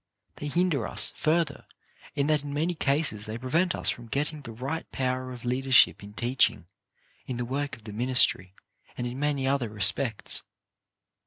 They hinder us, further, in that in many cases they prevent us from getting the right power of leadership in teaching, in the work of the ministry, and in many other respects.